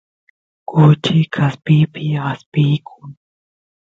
kuchi kaspipi aspiykun